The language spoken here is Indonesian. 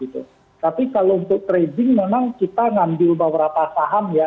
tapi kalau untuk trading memang kita ngambil beberapa saham ya